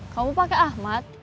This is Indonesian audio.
kamu pakai ahmad